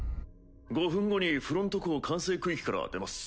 ５分後にフロント港管制区域から出ます。